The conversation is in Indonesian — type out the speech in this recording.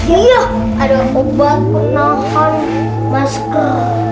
iya ada obat penahan masker